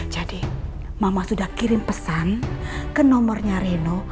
jadi mama sudah kirim pesan ke nomornya reno